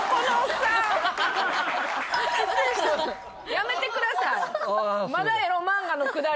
やめてください。